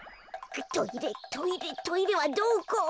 トイレトイレトイレはどこ？